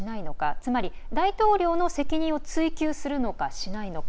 つまり、大統領の責任を追及するのかしないのか。